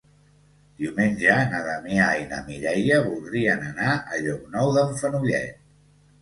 Diumenge na Damià i na Mireia voldrien anar a Llocnou d'en Fenollet.